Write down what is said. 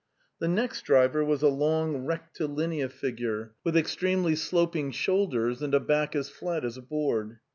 The next driver was a long rectilinear figure with extremely sloping shoulders and a back as flat as a board.